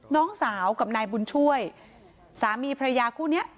น้องสาวกับนายบุญช่วยสามีพระยาคู่นี้